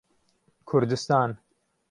کوردستان